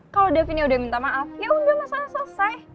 kalo davinnya udah minta maaf yaudah masalahnya selesai